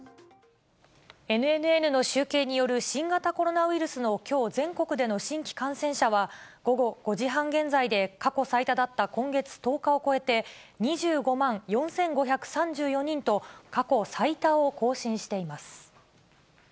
ＮＮＮの集計による、新型コロナウイルスのきょう全国での新規感染者は、午後５時半現在で過去最多だった今月１０日を超えて、２５万４５３４人と、過去最多を更新しています。